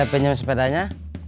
boleh pinjam sepedanya